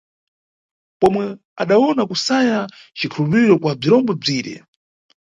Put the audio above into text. Pomwe adawona kusaya cikhuupiriro kwa bzirombo bzire.